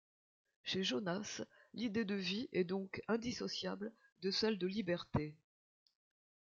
Chez Jonas, l'idée de vie est donc indissociable de celle de liberté.